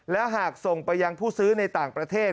และหากส่งไปยังผู้ซื้อในต่างประเทศ